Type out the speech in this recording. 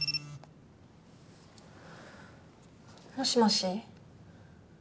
もしもし。